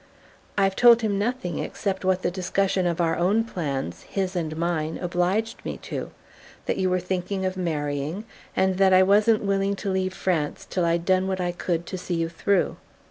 "I've told him nothing, except what the discussion of our own plans his and mine obliged me to: that you were thinking of marrying, and that I wasn't willing to leave France till I'd done what I could to see you through."